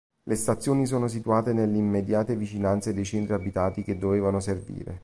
Le stazioni sono situate nelle immediate vicinanze dei centri abitati che dovevano servire.